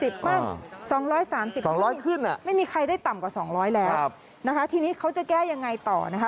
๒๒๐บ้าง๒๓๐ไม่มีใครได้ต่ำกว่า๒๐๐แล้วทีนี้เขาจะแก้ยังไงต่อนะคะ